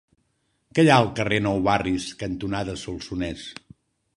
Què hi ha al carrer Nou Barris cantonada Solsonès?